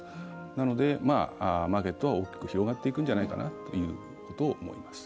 なので、マーケットは大きく広がっていくんじゃないかなということを思います。